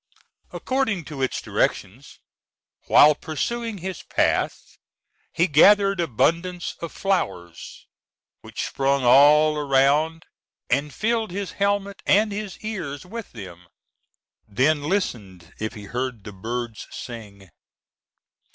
According to its directions, while pursuing his path, he gathered abundance of flowers, which sprung all around, and filled his helmet and his ears with them; then listened if he heard the birds sing.